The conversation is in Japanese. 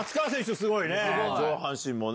すごいね！